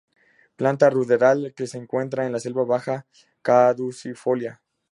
Planta ruderal que se encuentra en la selva baja caducifolia.